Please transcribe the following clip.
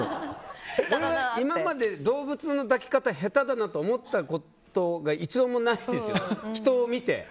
今まで動物の抱き方下手だなと思ったことが一度もないんですよ、人を見て。